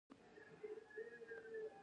د باغونو پراختیا ملي هدف دی.